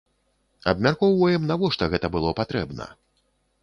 Абмяркоўваем, навошта гэта было патрэбна.